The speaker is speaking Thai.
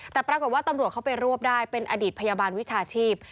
แต่ปรากฏว่าตำรวจเข้าไปรวบได้เป็นอดีตพยาบาลวิชาชีพ